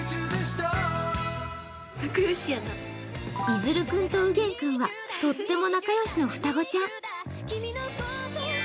いづるくんとうげんくんはとっても仲良しな双子ちゃん。